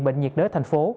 bệnh nhiệt đới tp hcm